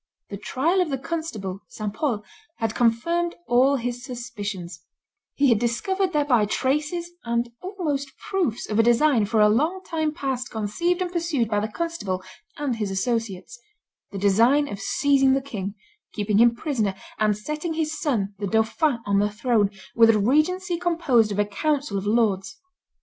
The trial of the constable, St. Pol, had confirmed all his suspicions; he had discovered thereby traces and almost proofs of a design for a long time past conceived and pursued by the constable and his associates the design of seizing the king, keeping him prisoner, and setting his son, the dauphin, on the throne, with a regency composed of a council of lords.